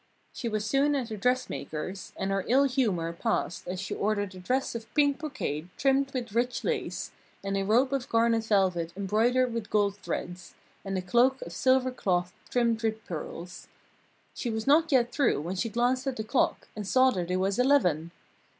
She was soon at the dressmaker's, and her ill humour passed as she ordered a dress of pink brocade trimmed with rich lace, and a robe of garnet velvet embroidered with gold threads, and a cloak of silver cloth trimmed with pearls. She was not yet through when she glanced at the clock, and saw that it was eleven.